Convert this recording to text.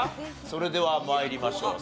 それでは参りましょう。